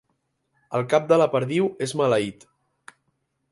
El cap de la perdiu és maleït.